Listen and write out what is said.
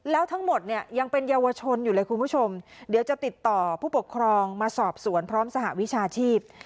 แล้วทั้งหมดเนี่ยยังเป็นเยาวชนอยู่เลยคุณผู้ชมเดี๋ยวจะติดต่อผู้ปกครองมาสอบสวนพร้อมสหวิชาชีพ